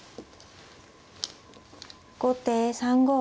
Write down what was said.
後手３五